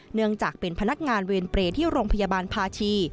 เนื่องจากเป็นพนักงานเวรเปรย์ที่โรงพยาบาลภาชี